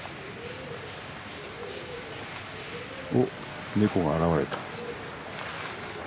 おっネコが現れた。